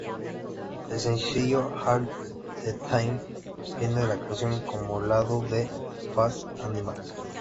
El sencillo "All the Time" viene con la canción como lado B "Fast Animals".